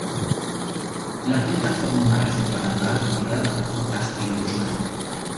La punta forma una reserva natural habitada por focas y lobos marinos.